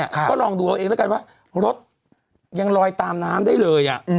ก็ลองดูเอาเองแล้วกันว่ารถยังลอยตามน้ำได้เลย